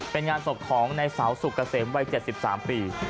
เป็นงานศพของในเสาสุกเกษมวัย๗๓ปี